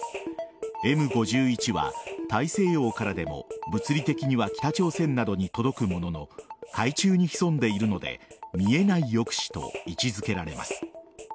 Ｍ５１は、大西洋からでも物理的には北朝鮮などに届くものの海中に潜んでいるので見えない抑止と位置付けられます。